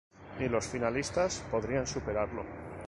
Ni los finalistas podrían superarlo.